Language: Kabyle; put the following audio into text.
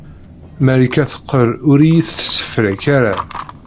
Marika teqqel ur iyi-tessefrak ara.